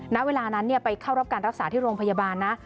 ณเวลานั้นไปเข้ารับการรักษาที่โรงพยาบาลนะ